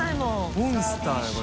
モンスターだこれ。